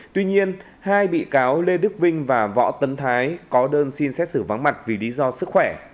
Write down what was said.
tuy nhiên hai bị cáo lê đức vinh và võ tấn thái có đơn xin xét xử vắng mặt vì lý do sức khỏe